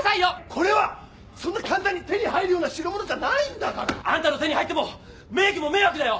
これはそんな簡単に手に入るような代物じゃないんだから！あんたの手に入っても名器も迷惑だよ！